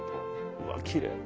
うわきれい。